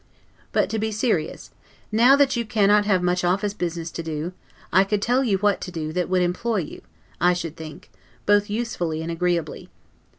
But to be serious: now that you cannot have much office business to do, I could tell you what to do, that would employ you, I should think, both usefully and agreeably.